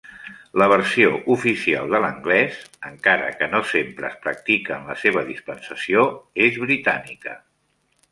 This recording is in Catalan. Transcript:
La versió oficial de l'anglès, encara que no sempre és pràctica en la seva dispensació, és britànica.